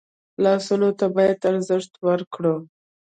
لاسونه ته باید ارزښت ورکړو